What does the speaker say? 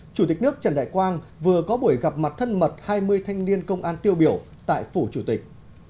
chủ tịch nước trần đại quang vừa có buổi gặp mặt thân mật hai mươi thanh niên công an tiêu biểu tại phủ chủ tịch